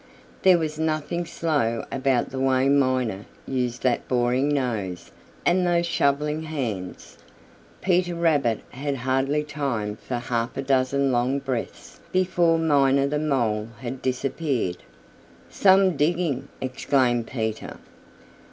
There was nothing slow about the way Miner used that boring nose and those shoveling hands. Peter Rabbit had hardly time for half a dozen long breaths before Miner the Mole had disappeared. "Some digging!" exclaimed Peter.